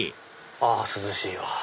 あ涼しいわ！